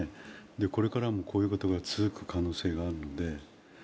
これからもこういうことが続く可能性があるので。